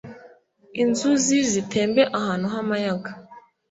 inzuzi zitembe ahantu h’amayaga.